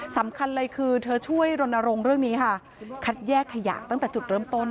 สำคัญเลยคือเธอช่วยรณรงค์เรื่องนี้ค่ะคัดแยกขยะตั้งแต่จุดเริ่มต้น